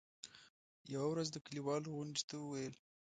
يوه ورځ د کلیوالو غونډې ته وویل.